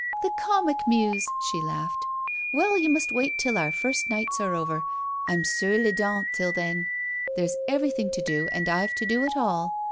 "The Comic Muse!" she laughed. "Well, you must wait till our first nights are over I'm sur les dents till then. There's everything to do and I've to do it all.